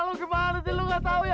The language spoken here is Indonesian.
lu gimana sih lu nggak tahu ya